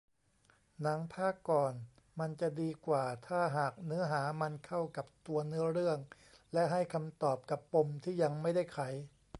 หนังภาคก่อนมันจะดีกว่าถ้าหากเนื้อหามันเข้ากับตัวเนื้อเรื่องและให้คำตอบกับปมที่ยังไม่ได้ไข